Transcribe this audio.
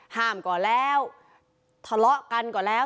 ก่อนแล้วทะเลาะกันก่อนแล้ว